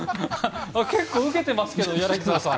結構ウケてますよ、柳澤さん。